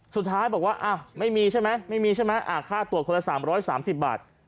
สุดท้ายบอกว่าไม่มีใช่ไหมไม่มีใช่ไหมค่าตรวจคนละ๓๓๐บาท